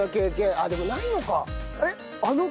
ああでもないのか。